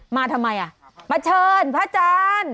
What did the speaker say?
มาทำไมอ่ะมาเชิญพระอาจารย์